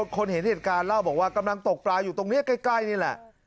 คนเห็นเหตุการณ์เล่าบอกว่ากำลังตกปลาอยู่ตรงนี้ใกล้นี่แหละ